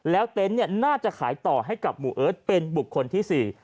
แล้วเต็นต์เนี่ยน่าจะขายต่อให้กับหมู่เอิร์ทเป็นบุคคลที่๔